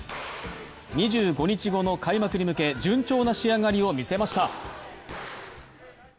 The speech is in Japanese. ２５日後の開幕に向け順調な仕上がりを見せました。